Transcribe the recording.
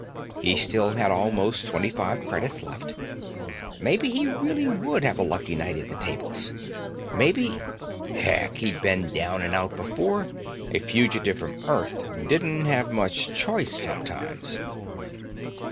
He still had almost twenty five credits left. Maybe he really would have a lucky night at the tables. Maybe ... heck, he'd been down and out before. A fugitive from Earth didn't have much choice sometimes....